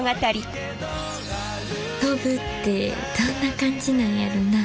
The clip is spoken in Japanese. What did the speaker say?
飛ぶってどんな感じなんやろうな。